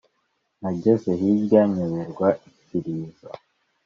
Nageze hirya nyoberwa ikirizo,